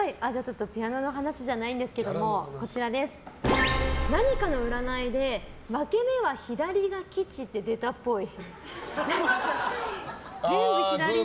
ピアノの話じゃないんですけども何かの占いで分け目は左が吉って出たっぽい。